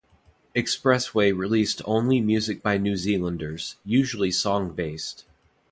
Xpressway released only music by New Zealanders, usually song-based.